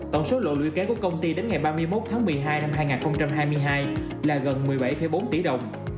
tổng số lộ lũy kế của công ty đến ngày ba mươi một tháng một mươi hai năm hai nghìn hai mươi hai là gần một mươi bảy bốn tỷ đồng